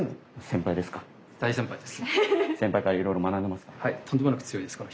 先輩からいろいろ学んでますか？